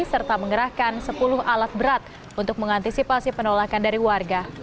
serta mengerahkan sepuluh alat berat untuk mengantisipasi penolakan dari warga